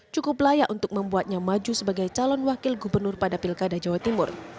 cukup layak untuk membuatnya maju sebagai calon wakil gubernur pada pilkada jawa timur